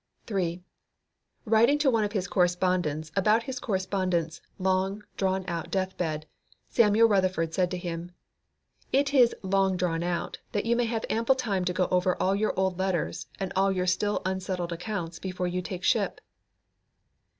3. Writing to one of his correspondents about his correspondent's long drawn out deathbed, Samuel Rutherford said to him, "It is long drawn out that you may have ample time to go over all your old letters and all your still unsettled accounts before you take ship."